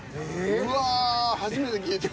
うわ初めて聞いた。